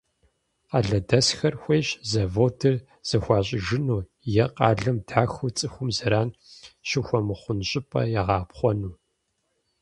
Къалэдэсхэр хуейщ заводыр зэхуащӀыжыну е къалэм дахыу цӀыхум зэран щыхуэмыхъун щӀыпӀэ ягъэӀэпхъуэну.